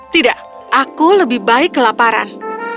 tidak aku lebih baik kelaparan